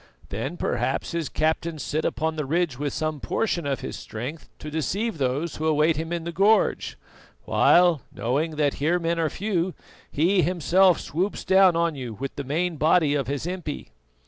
"Then perhaps his captains sit upon the ridge with some portion of his strength to deceive those who await him in the gorge; while, knowing that here men are few, he himself swoops down on you with the main body of his impi."